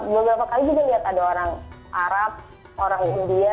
kemudian saya beberapa kali juga lihat ada orang arab orang india